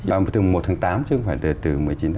và từ một tám chứ không phải từ một mươi chín bảy